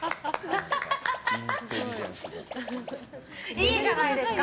いいじゃないですか。